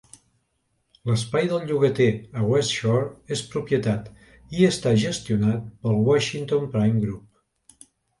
L'espai del llogater a WestShore és propietat i està gestionat pel Washington Prime Group.